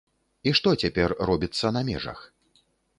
І што цяпер робіцца на межах?